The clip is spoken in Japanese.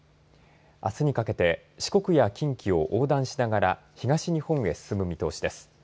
あすにかけて四国や近畿を横断しながら東日本に進む見通しです。